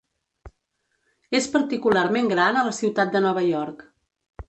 És particularment gran a la ciutat de Nova York.